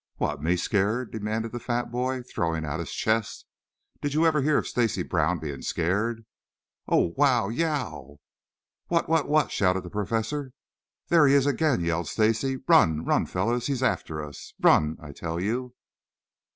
"What! Me scared?" demanded the fat boy, throwing out his chest. "Did you ever hear of Stacy Brown being scared? Oh, wow! Yeow!" "What, what, what " shouted the Professor. "There he is again!" yelled Stacy. "Run! Run, fellows; he's after us! Run, I tell you!"